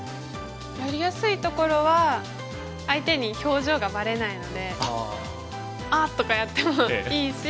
やりやすいところは相手に表情がばれないので「あっ！」とかやってもいいし。